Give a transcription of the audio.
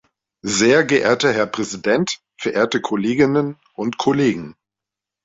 Sehr geehrter Herr Präsident, verehrte Kolleginnen und Kollegen!